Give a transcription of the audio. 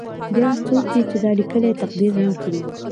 بیا څوک دی چې دا لیکلی تقدیر ړنګ کړي.